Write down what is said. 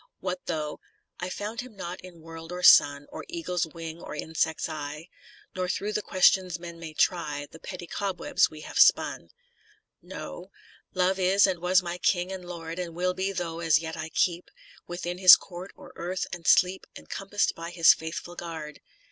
What though I found him not in world or sun Or eagle's wing or insect's eye ; Nor thro' the questions men may try, The petty cobwebs we have spun :* No— Live is and was my King and Lord And will be, tho' as yet I keep Within his court or earth, and sleep Encompass'd by his faithful guard.